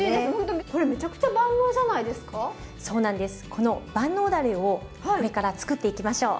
この万能だれをこれからつくっていきましょう。